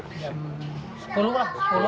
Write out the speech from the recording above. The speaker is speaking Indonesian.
jam sepuluh lah